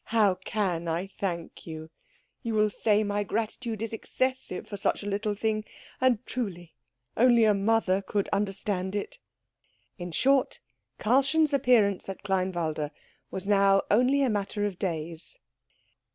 How can I thank you! You will say my gratitude is excessive for such a little thing, and truly only a mother could understand it " In short, Karlchen's appearance at Kleinwalde was now only a matter of days.